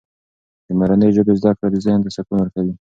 د مورنۍ ژبې زده کړه ذهن ته سکون ورکوي.